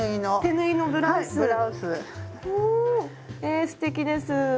えすてきです。